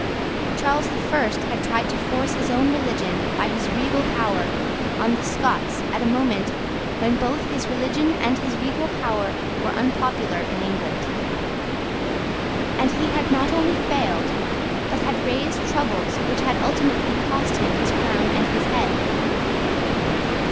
Charles the First had tried to force his own religion by his regal power on the Scots at a moment when both his religion and his regal power were unpopular in England; and he had not only failed, but had raised troubles which had ultimately cost him his crown and his head.